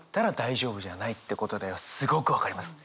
すごく分かります。